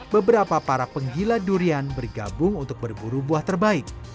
beberapa para penggila durian bergabung untuk berburu buah terbaik